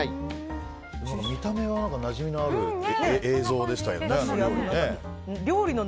見た目はなじみのある映像でしたよね、あの料理ね。